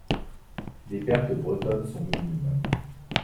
Les pertes bretonnes sont minimes.